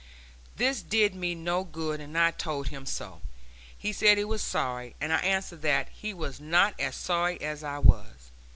This did me no good, and I told him so. He said he was sorry, and I answered that he was not as sorry as I was.